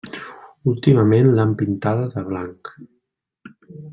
Últimament l'han pintada de blanc.